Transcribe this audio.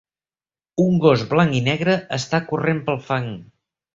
Un gos blanc i negre està corrent pel fang.